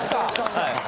はい。